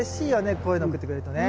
こういうの送ってくれるとね。